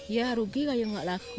ya rugi kayaknya nggak laku